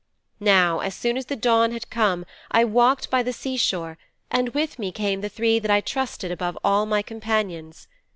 'Now as soon as the dawn had come I walked by the sea shore and with me came the three that I trusted above all my companions.